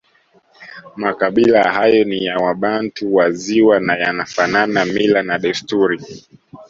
Makabila hayo ni ya Wabantu wa Ziwa na yanafanana mila na desturi